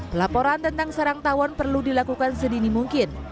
pelaporan tentang sarang tawon perlu dilakukan sedini mungkin